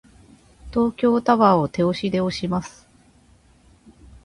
東京タワーを手押しで押します。